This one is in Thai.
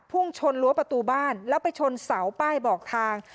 พุ่งชนรั้วประตูบ้านแล้วไปชนเสาป้ายบอกทาง